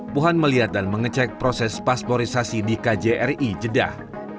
puhan melihat dan mengecek proses pasporisasi di kjri jeddah